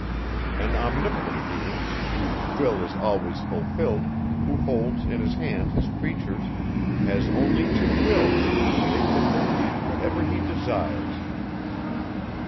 An omnipotent being, whose will is always fulfilled, who holds in his hand his creatures, has only to will, to make them believe whatever he desires.